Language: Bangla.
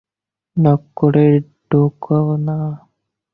নক করে ঢোকো না?